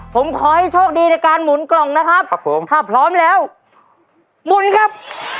ผมขอให้โชคดีในการหมุนกล่องนะครับครับผมถ้าพร้อมแล้วหมุนครับ